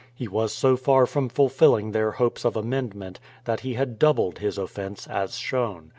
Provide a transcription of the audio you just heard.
He was so far from ful filling their hopes of amendment, that he had doubled his offence, as shown.